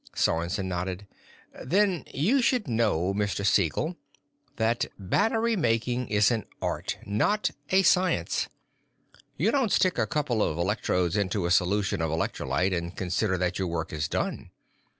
Sorensen nodded. "Then you should know, Mr. Siegel, that battery making is an art, not a science. You don't just stick a couple of electrodes into a solution of electrolyte and consider that your work is done.